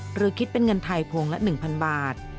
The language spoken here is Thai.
หรือคิดเป็นเงินไทยพวงละ๑๐๐บาท